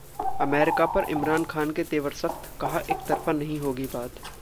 America पर इमरान खान के तेवर सख्त, कहा- एकतरफा नहीं होगी बात